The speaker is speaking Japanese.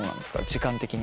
時間的に。